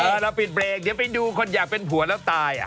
เราปิดเบรกเดี๋ยวไปดูคนอยากเป็นผัวแล้วตาย